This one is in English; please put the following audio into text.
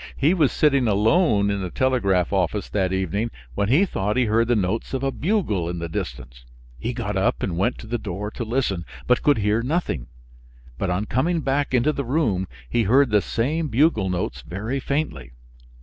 He was sitting alone in the telegraph office that evening when he thought he heard the notes of a bugle in the distance; he got up and went to the door to listen, but could hear nothing; but on coming back into the room he heard the same bugle notes very faintly.